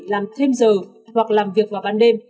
làm thêm giờ hoặc làm việc vào ban đêm